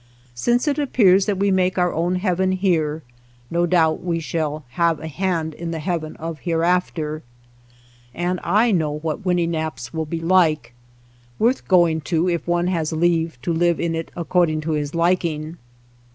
Since it appears that we make our own heaven here, no doubt we shall have a hand in the heaven of hereafter; and I lOO SHOSHONE LAND know what Winnenap' s will be like : worth going to if one has leave to live in it according to his liking.